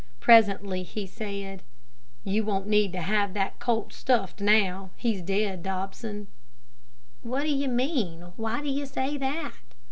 Presently he said, "You won't need to have that colt stuffed now he's dead, Dobson." "What do you mean? Why do you say that?"